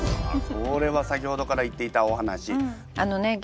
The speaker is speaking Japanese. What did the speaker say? これは先ほどから言っていたお話。